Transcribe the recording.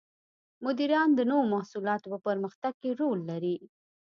مدیران د نوو محصولاتو په پرمختګ کې رول لري.